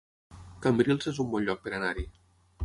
Cambrils es un bon lloc per anar-hi